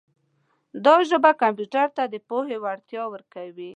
دا ژبه کمپیوټر ته د پوهې وړتیا ورکوي.